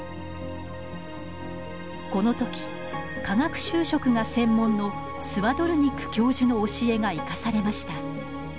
このとき化学修飾が専門のスワドルニック教授の教えが生かされました。